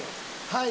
はい。